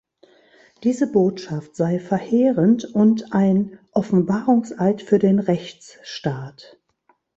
Diese Botschaft sei verheerend und ein „Offenbarungseid für den Rechtsstaat“.